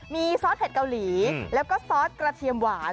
มีซอสเผ็ดเกาหลีแล้วก็ซอสกระเทียมหวาน